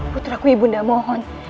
putraku ibu nda mohon